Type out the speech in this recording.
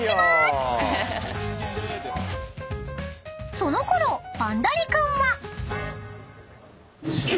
［そのころバンダリ君は］